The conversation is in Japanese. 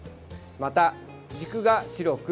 また、軸が白く、